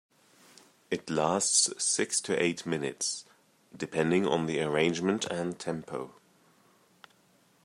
It lasts six to eight minutes, depending on the arrangement and tempo.